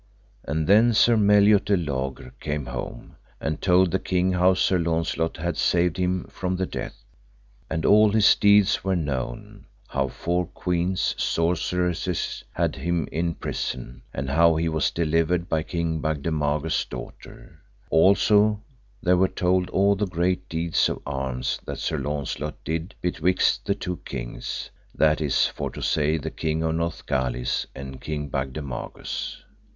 And then Sir Meliot de Logres came home, and told the king how Sir Launcelot had saved him from the death. And all his deeds were known, how four queens, sorceresses, had him in prison, and how he was delivered by King Bagdemagus' daughter. Also there were told all the great deeds of arms that Sir Launcelot did betwixt the two kings, that is for to say the King of Northgalis and King Bagdemagus.